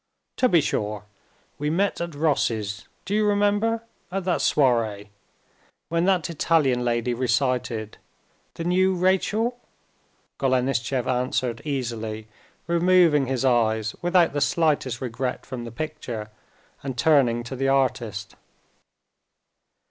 "To be sure! We met at Rossi's, do you remember, at that soirée when that Italian lady recited—the new Rachel?" Golenishtchev answered easily, removing his eyes without the slightest regret from the picture and turning to the artist.